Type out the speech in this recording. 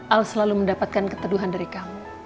al selalu mendapatkan keteduhan dari kamu